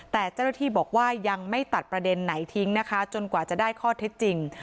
แต่เจ้าหน้าที่บอกว่ายังไม่ตัดประเด็นไหนทิ้งนะคะจนกว่าจะได้ข้อเท็จจริง